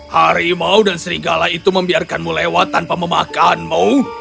harimau dan serigala itu membiarkanmu lewat tanpa memakanmu